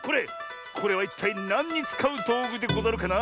これはいったいなんにつかうどうぐでござるかな？